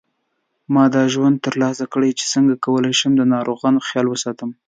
ما دا روزنه تر لاسه کړې چې څنګه وکولای شم د ناروغانو خیال وساتم